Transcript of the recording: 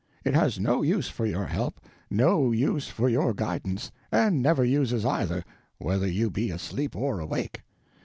It has no use for your help, no use for your guidance, and never uses either, whether you be asleep or awake.